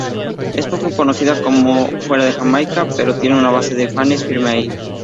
Es poco conocida fuera de Jamaica, pero tiene una base de fanes firme ahí.